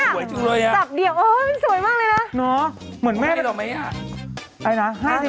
สวยจังเลยนี่